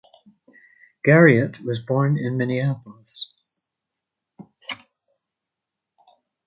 Garriott was born in Minneapolis.